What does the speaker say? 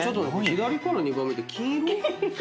左から２番目って金色？